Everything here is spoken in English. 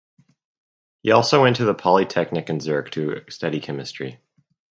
He also went to the Polytechnic in Zurich to study chemistry.